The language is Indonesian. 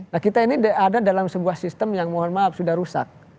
nah kita ini ada dalam sebuah sistem yang mohon maaf sudah rusak